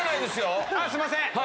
すいません！